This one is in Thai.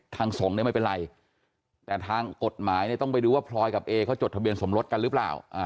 ทางสงฆ์เนี่ยไม่เป็นไรแต่ทางกฎหมายเนี่ยต้องไปดูว่าพลอยกับเอเขาจดทะเบียนสมรสกันหรือเปล่า